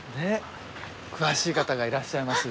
詳しい方がいらっしゃいます。